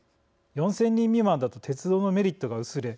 ４０００人未満だと鉄道のメリットが薄れ